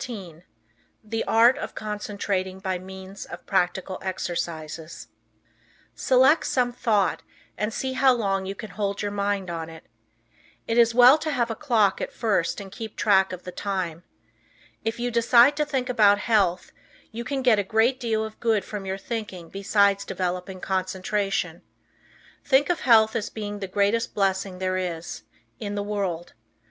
THE ART OF CONCENTRATING BY MEANS OF PRACTICAL EXERCISES Select some thought, and see how long you can hold your mind on it. It is well to have a clock at first and keep track of the time. If you decide to think about health, you can get a great deal of good from your thinking besides developing concentration. Think of health as being the greatest blessing there is, in the world.